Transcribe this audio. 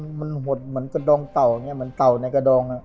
มันไม่ลงมันหวดเหมือนกระดองเต่าอย่างนี้มันเต่าในกระดอง